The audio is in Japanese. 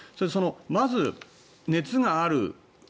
まず、熱がある。